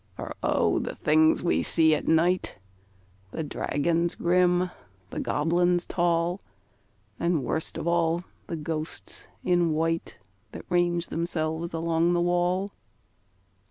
For O! the things we see at night The dragons grim, the goblins tall, And, worst of all, the ghosts in white That range themselves along the wall!